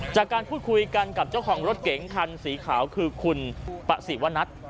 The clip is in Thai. จากการพูดคุยกันกับเจ้าของรถเก๋งคันสีขาวคือคุณปะสิวนัท